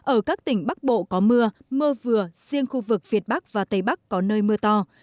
ở các tỉnh bắc bộ có mưa mưa vừa riêng khu vực việt bắc và tây bắc có nơi mưa to